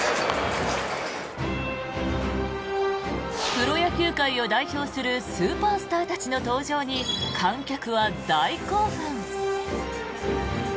プロ野球界を代表するスーパースターたちの登場に観客は大興奮。